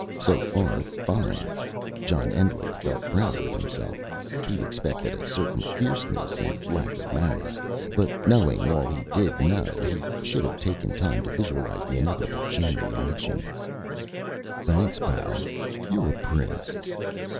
So far, fine. John Endlich felt prouder of himself he'd expected a certain fierceness and lack of manners. But knowing all he did know, he should have taken time to visualize the inevitable chain reaction. "Thanks, pal.... You're a prince...."